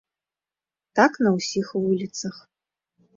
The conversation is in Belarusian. Так на ўсіх вуліцах.